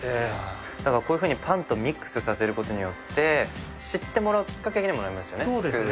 だからこういうふうにパンとミックスさせることによって知ってもらうきっかけにもなりますよね。